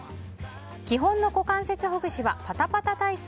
基本の股関節ほぐしはパタパタ体操。